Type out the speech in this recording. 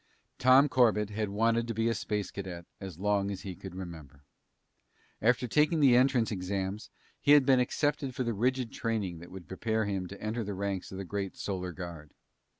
Tom Corbett had wanted to be a space Cadet as long as he could remember. After taking the entrance exams, he had been accepted for the rigid training that would prepare him to enter the ranks of the great Solar Guard.